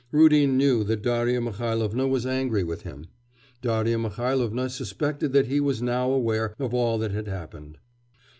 Rudin knew that Darya Mihailovna was angry with him. Darya Mihailovna suspected that he was now aware of all that had happened.